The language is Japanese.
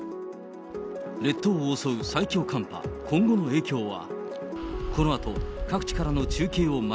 列島を襲う最強寒波、今後の影響は。